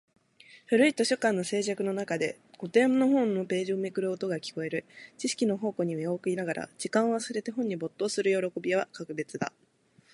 古い図書館の静寂の中で、古典の本のページをめくる音が聞こえる。知識の宝庫に身を置きながら、時間を忘れて本に没頭する喜びは格別だ。